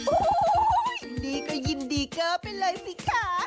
โอ้โหยินดีก็ยินดีก็ไปเลยสิค่ะ